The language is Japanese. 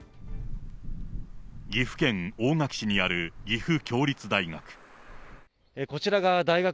岐阜県大垣市にある岐阜協立大学。